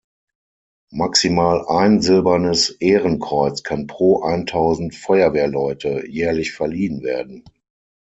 Maximal ein silbernes Ehrenkreuz kann pro eintausend Feuerwehrleute jährlich verliehen werden.